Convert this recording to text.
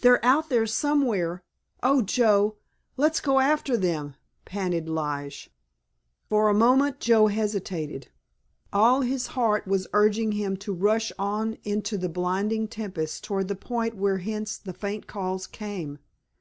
They're out there somewhere. Oh, Joe, let's go after them!" panted Lige. For a moment Joe hesitated. All his heart was urging him to rush on into the blinding tempest toward the point from whence the faint calls came.